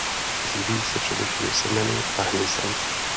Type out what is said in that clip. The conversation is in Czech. Živí se především semeny a hmyzem.